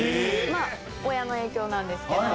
まあ親の影響なんですけど。